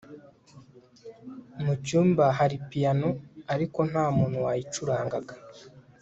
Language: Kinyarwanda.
mucyumba hari piyano, ariko ntamuntu wayicurangaga